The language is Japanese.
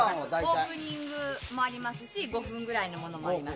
オープニングみたいなのもありますし５分くらいのものもあります。